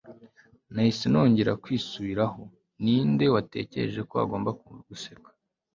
nahise nongera kwisubiraho. ninde watekereje ko agomba guseka